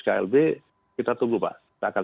klb kita tunggu pak kita akan